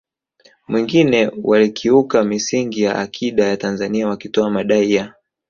mwingine walikiuka misingi ya akida ya Tanzania wakitoa madai ya